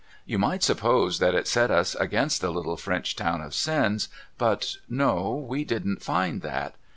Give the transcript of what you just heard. Vou might suppose tliat it set us against the little French town of Sens, but no we didn't fmd that.